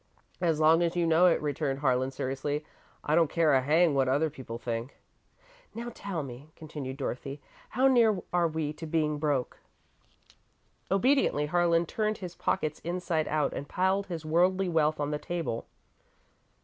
"As long as you know it," returned Harlan, seriously, "I don't care a hang what other people think." "Now, tell me," continued Dorothy, "how near are we to being broke?" Obediently, Harlan turned his pockets inside out and piled his worldly wealth on the table.